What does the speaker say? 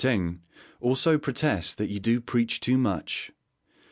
Taine, also protests that you do preach too much.